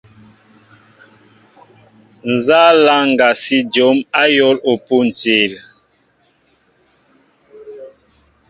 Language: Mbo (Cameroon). Nza laŋga si jǒm ayȏl pȗntil ?